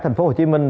thành phố hồ chí minh